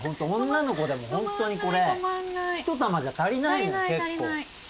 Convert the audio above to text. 女の子でもホントにこれ１玉じゃ足りないのよ結構。